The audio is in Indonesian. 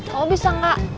kamu bisa enggak